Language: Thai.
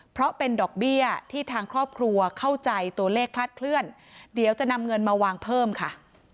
เพราะเป็นดอกเบี้ยที่ทางครอบครัวเข้าใจตัวเลขคลาดเคลื่อนเดี๋ยวจะนำเงินมาวางเพิ่มค่ะ